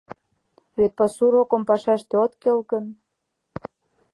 Вет пасу рокым пашаште от кел гын